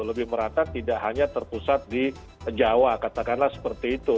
lebih merata tidak hanya terpusat di jawa katakanlah seperti itu